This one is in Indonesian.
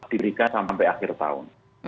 diberikan sampai akhir tahun